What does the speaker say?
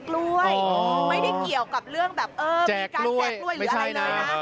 กล้วยไม่ได้เกี่ยวกับเรื่องแบบเออมีการแจกกล้วยหรืออะไรเลยนะ